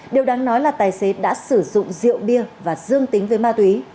điều đáng nói là tài xế đã sử dụng rượu bia và dương tính với ma túy